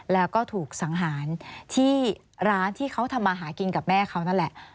แล้วก็ถูกสังหารที่ร้านที่เขาทำมาหากินกับแม่เขานั่นแหละ